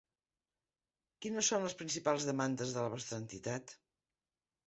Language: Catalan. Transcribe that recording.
Quines són les principals demandes de la vostra entitat?